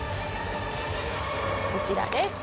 こちらです。